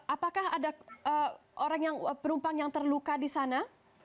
apakah ada penumpang yang terluka di sana